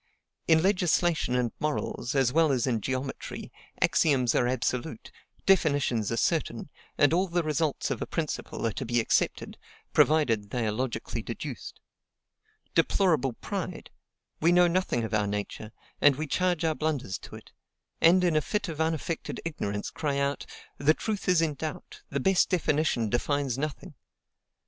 In legislation and morals, as well as in geometry, axioms are absolute, definitions are certain; and all the results of a principle are to be accepted, provided they are logically deduced. Deplorable pride! We know nothing of our nature, and we charge our blunders to it; and, in a fit of unaffected ignorance, cry out, "The truth is in doubt, the best definition defines nothing!"